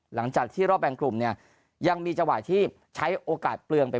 หลังจากที่รอบแบ่งกลุ่มเนี่ยยังมีจังหวะที่ใช้โอกาสเปลืองไป